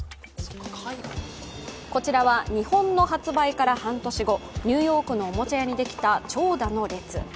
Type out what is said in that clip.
こちらは日本の発売から半年後、ニューヨークのおもちゃ屋にできた長蛇の列。